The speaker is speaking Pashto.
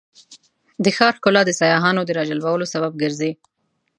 د ښار ښکلا د سیاحانو د راجلبولو سبب ګرځي.